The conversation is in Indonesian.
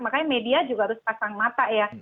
makanya media juga harus pasang mata ya